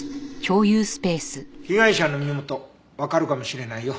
被害者の身元わかるかもしれないよ。